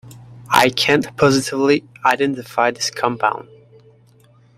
I can't positively identify this compound.